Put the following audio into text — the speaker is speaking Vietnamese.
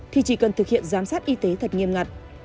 thì chỉ cần thực hiện giám sát y tế thật nghiêm ngặt